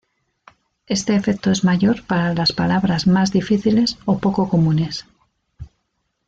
Este efecto es mayor para las palabras más difíciles o poco comunes.